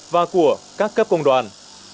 và của các cấp công đoàn